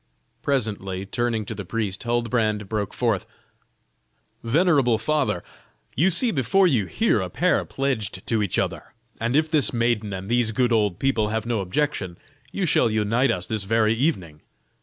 Presently, turning to the priest, Huldbrand broke forth: "Venerable father, you see before you here a pair pledged to each other: and if this maiden and these good old people have no objection, you shall unite us this very evening."